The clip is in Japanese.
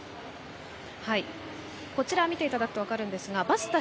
こちらを見ていただくと分かるんですがバスタ